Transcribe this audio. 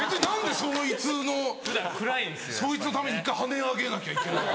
そいつのために１回跳ね上げなきゃいけないのか。